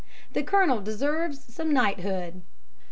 The Colonel deserves knighthood!"